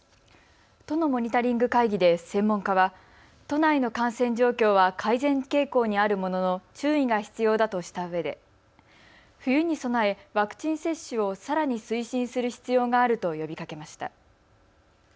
都のモニタリング会議で専門家は都内の感染状況は改善傾向にあるものの注意が必要だとしたうえで冬に備えワクチン接種をさらに推進する必要があると呼びかけました。